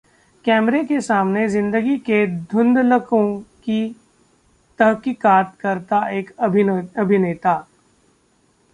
कैमरे के सामने जिंदगी के धुंधलकों की तहकीकात करता एक अभिनेता